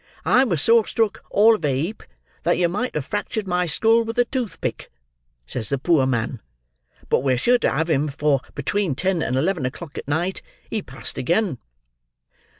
'I was so struck all of a heap, that you might have fractured my skull with a toothpick,' says the poor man; 'but we're sure to have him; for between ten and eleven o'clock at night he passed again.